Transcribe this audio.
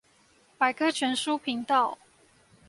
百科全書頻道